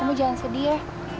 kamu jangan sedih ya